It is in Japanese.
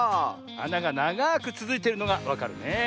あながながくつづいてるのがわかるねえ。